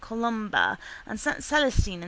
Columba and S. Celestine and S.